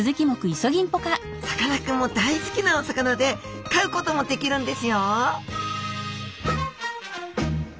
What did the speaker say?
さかなクンも大好きなお魚で飼うこともできるんですよ